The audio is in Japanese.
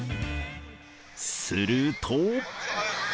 すると。